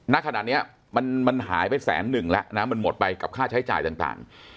ณขณะนี้มันหายไปแสนหนึ่งแล้วนะมันหมดไปกับค่าใช้จ่ายต่าง